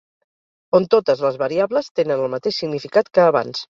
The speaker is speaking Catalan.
On totes les variables tenen el mateix significat que abans.